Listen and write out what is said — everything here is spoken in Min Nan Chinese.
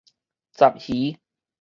雜魚